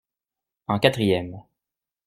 En quatrième.